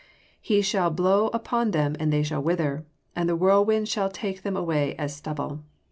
[Verse: "He shall blow upon them and they shall wither, and the whirlwind shall take them away as stubble."